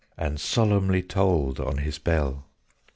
And solemnly tolled on his bell.